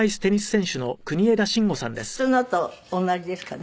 普通のと同じですかね？